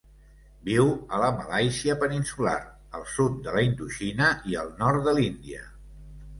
Viu a la Malàisia peninsular, el sud de la Indoxina i el nord de l'Índia.